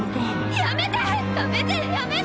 やめてやめて。